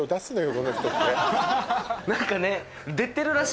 この人って。何かね。